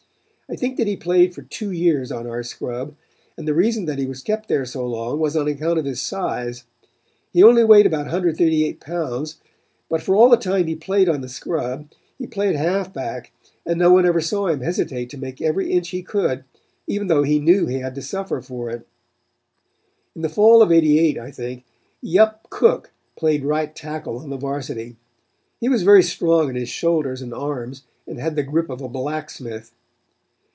I think that he played for two years on our scrub, and the reason that he was kept there so long was on account of his size. He only weighed about 138 pounds, but for all the time he played on the scrub he played halfback and no one ever saw him hesitate to make every inch that he could, even though he knew he had to suffer for it. "In the fall of '88, I think, Yup Cook played right tackle on the Varsity. He was very strong in his shoulders and arms and had the grip of a blacksmith.